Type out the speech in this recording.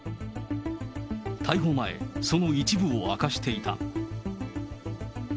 逮捕前、その一部を明かしていた。